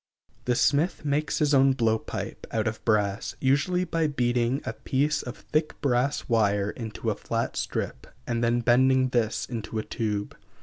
The smith makes his own blow pipe, out of brass, usually by beating a piece of thick brass wire into a flat strip, and then bending this into a tube.